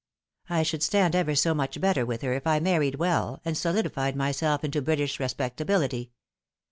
" I should stand ever so much better with her if I married well, and solidified myself into British respectability.